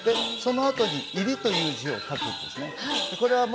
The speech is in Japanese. そのあとに入りという字を書くんですね。